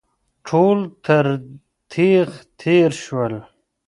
ټول تر تېغ تېر شول.